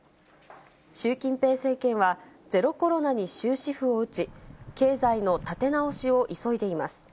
習近平政権はゼロコロナに終止符を打ち、経済の立て直しを急いでいます。